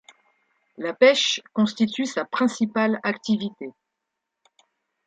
La pêche constitue sa principale activité.